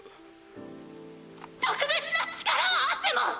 特別な力はあっても！！